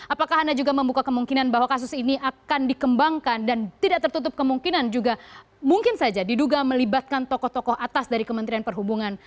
apakah anda juga membuka kemungkinan bahwa kasus ini akan dikembangkan dan tidak tertutup kemungkinan juga mungkin saja diduga melibatkan tokoh tokoh atas dari kementerian perhubungan